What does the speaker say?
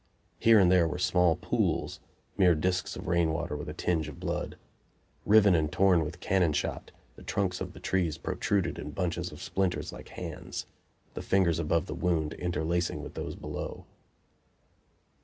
Here and there were small pools mere discs of rainwater with a tinge of blood. Riven and torn with cannon shot, the trunks of the trees protruded bunches of splinters like hands, the fingers above the wound interlacing with those below.